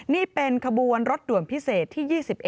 นี่เป็นขบวนรถด่วนพิเศษที่๒๑